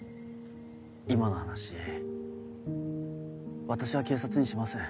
今の話私は警察にしません。